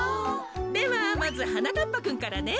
ではまずはなかっぱくんからね。